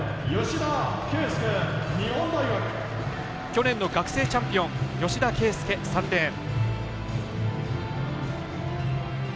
去年の学生チャンピオン吉田啓祐、３レーン。